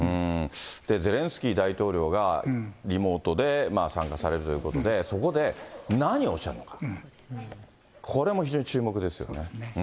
ゼレンスキー大統領がリモートで参加されるということで、そこで何をおっしゃるのか、これも非常に注目ですよね。